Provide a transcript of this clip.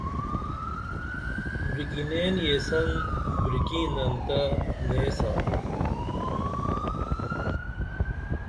بریکنین یسن بریکنن تہ نیسا